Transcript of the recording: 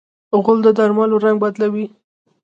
غول د درملو رنګ بدلوي.